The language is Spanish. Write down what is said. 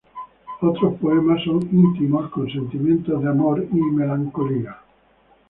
Otros poemas son íntimos, con sentimientos de amor y melancolía.